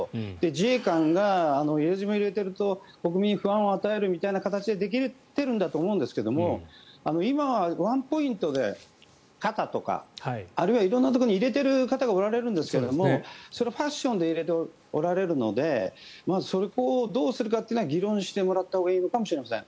自衛官が入れ墨を入れていると国民に不安を与えるという形でできているんだと思うんですが今はワンポイントで、肩とかあるいは色んなところに入れておられる方がいるんですがそれはファッションで入れておられるのでまず、そこをどうするかっていうのは議論してもらったほうがいいのかもしれません。